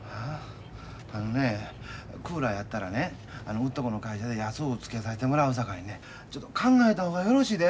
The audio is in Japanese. あのねクーラーやったらねうっとこの会社で安うつけさしてもらうさかいね考えた方がよろしいで。